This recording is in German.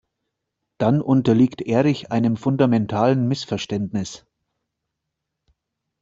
Dann unterliegt Erich einem fundamentalen Missverständnis.